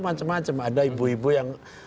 macam macam ada ibu ibu yang